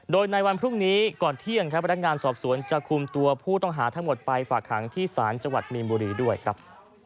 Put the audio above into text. โดยในวันพรุ่งนี้ก่อนเที่ยงครับพนักงานสอบสวนจะคุมตัวผู้ต้องหาทั้งหมดไปฝากหางที่ศาลจังหวัดมีนบุรีด้วยครับ